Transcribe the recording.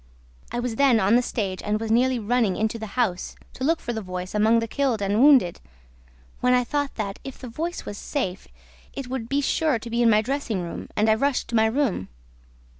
I was then on the stage and was nearly running into the house, to look for the voice among the killed and wounded, when I thought that, if the voice was safe, it would be sure to be in my dressing room and I rushed to my room.